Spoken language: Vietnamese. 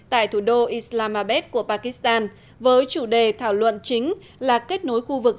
tại thủ đô islamabeth của pakistan với chủ đề thảo luận chính là kết nối khu vực